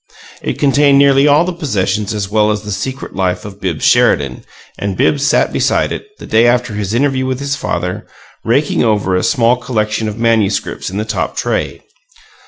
It contained nearly all the possessions as well as the secret life of Bibbs Sheridan, and Bibbs sat beside it, the day after his interview with his father, raking over a small collection of manuscripts in the top tray.